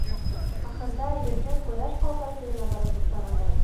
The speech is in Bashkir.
Ахырҙа, Ерҙең ҡояш ҡалҡыр сигенә барып туҡтағандар.